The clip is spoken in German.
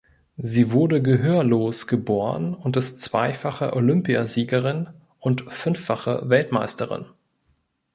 Sie wurde gehörlos geboren und ist zweifache Olympiasiegerin und fünffache Weltmeisterin.